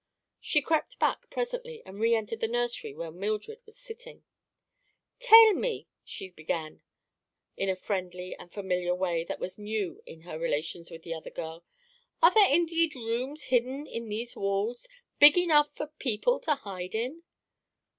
She crept back, presently, and reentered the nursery where Mildred was sitting. "Tell me," she began, in a friendly and familiar way that was new in her relations with the other girl, "are there indeed rooms hidden in these walls—big enough for people to hide in?"